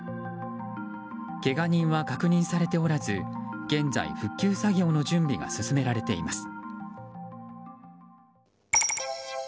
けが人は確認されておらず現在、復旧作業の準備が進められています。